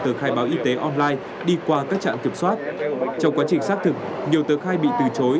từ khai báo y tế online đi qua các trạm kiểm soát trong quá trình xác thực nhiều tờ khai bị từ chối